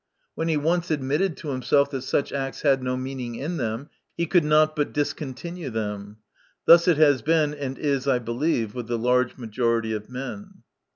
When he once admitted to himself that such acts had no meaning in them, he could not but discontinue them. Thus it has been, and is, I believe, with the large majority of men.